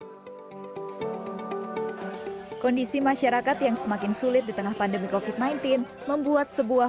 hai kondisi masyarakat yang semakin sulit di tengah pandemi kofit sembilan belas membuat sebuah